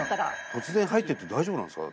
突然入っていって大丈夫なんですか？